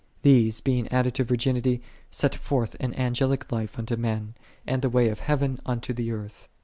These, being added to virginity, set forth an angelic life unto men, and the ways of heaven unto the earth.